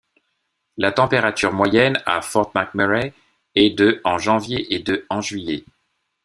La température moyenne à Fort McMurray est de en janvier et de en juillet.